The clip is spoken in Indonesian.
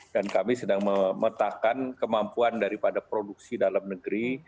dan kami sedang memetakkan kemampuan daripada produksi dalam negeri